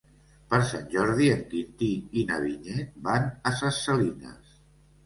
Per Sant Jordi en Quintí i na Vinyet van a Ses Salines.